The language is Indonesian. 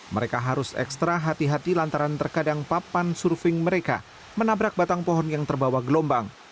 mereka harus ekstra hati hati lantaran terkadang papan surfing mereka menabrak batang pohon yang terbawa gelombang